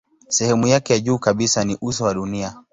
Sehemu yake ya juu kabisa ni uso wa dunia.